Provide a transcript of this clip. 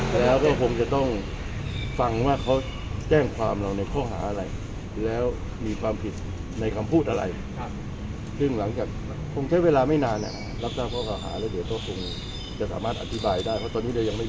แล้วคำกล่าวในสวิตเตอร์เป็นยังไงนะท่าน